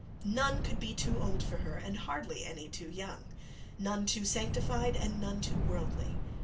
None could be too old for her, and hardly any too young. None too sanctified, and none too worldly.